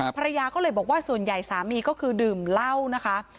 ภรรยาก็เลยบอกว่าส่วนใหญ่สามีก็คือดื่มเหล้านะคะ